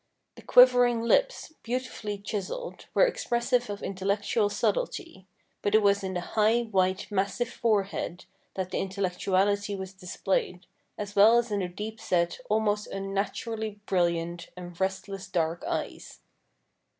The quivering lips, beautifully chiselled, were expressive of intellectual subtlety ; but it was in the high, white, massive forehead that the intellectuality was displayed, as well as in the deep set, almost unnaturally brilliant, and restless dark eyes.